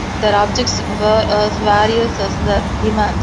Their objects were as various as their demands.